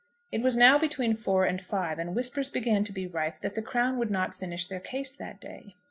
It was now between four and five, and whispers began to be rife that the Crown would not finish their case that day.